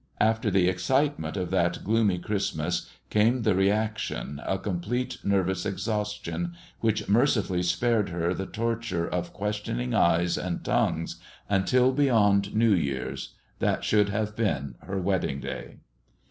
After the excitement of that gloomy Christmas came, with the reaction, a complete nervous exhaustion, which mercifully spared her the torture of questioning eyes and tongues until beyond New Year's that should have been her wedding day.